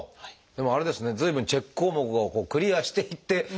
でもあれですね随分チェック項目をクリアしていって特定していくっていうか。